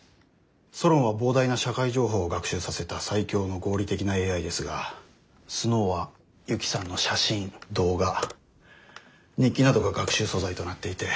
ソロンは膨大な社会情報を学習させた最強の合理的なＡＩですがスノウは雪さんの写真動画日記などが学習素材となっていて。